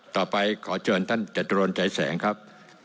ต่อไปขอเชิญท่านจตุรนใจแสงครับ